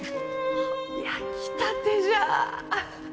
あ焼きたてじゃ！